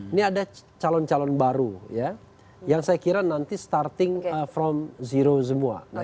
ini ada calon calon baru ya yang saya kira nanti starting from zero semua